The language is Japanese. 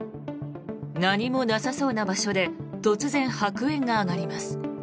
何もなさそうな場所で突然、白煙が上がります。